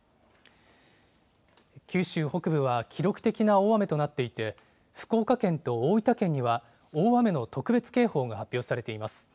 九州北部は、記録的な大雨となっていて、福岡県と大分県には大雨の特別警報が発表されています。